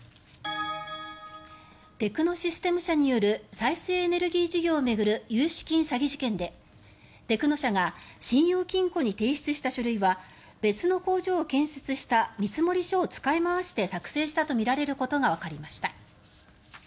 テクノシステム社による再生エネルギー事業を巡る融資金詐欺事件でテクノ社が信用金庫に提出した書類は別の工場を建設した見積書を使い回して作成したとみられることがわかりました。